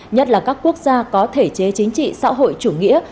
nhất là các quốc gia có thể chế chính trị xã hội chủ nghĩa